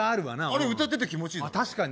あれ歌ってて気持ちいいだろ？